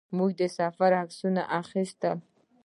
موږ د سفر عکسونه اخیستل.